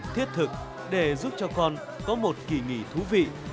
thiết thực để giúp cho con có một kỳ nghỉ thú vị